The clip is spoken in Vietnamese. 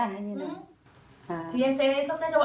nhưng nếu như một đơn vị một người là